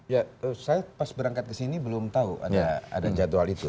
ya saya pas berangkat ke sini belum tahu ada jadwal itu